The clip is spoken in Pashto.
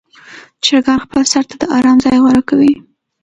چرګان خپل سر ته د آرام ځای غوره کوي.